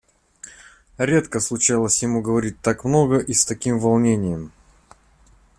Редко случалось ему говорить так много и с таким волнением.